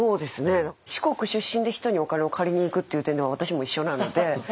四国出身で人にお金を借りにいくっていう点では私も一緒なので。